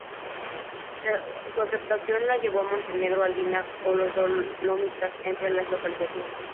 Su aceptación le llevó a Montenegro, Albania o los Dolomitas, entre otras localizaciones.